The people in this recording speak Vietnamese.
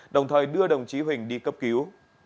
đồng thời đưa đồng chí huỳnh đi cấp cứu